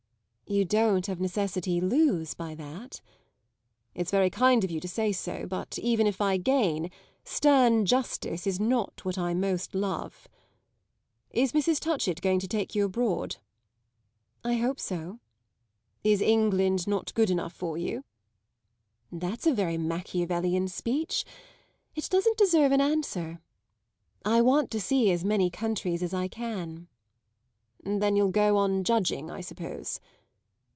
"You don't of necessity lose by that." "It's very kind of you to say so; but, even if I gain, stern justice is not what I most love. Is Mrs. Touchett going to take you abroad?" "I hope so." "Is England not good enough for you?" "That's a very Machiavellian speech; it doesn't deserve an answer. I want to see as many countries as I can." "Then you'll go on judging, I suppose."